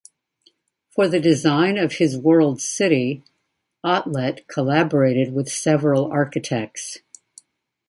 For the design of his World City, Otlet collaborated with several architects.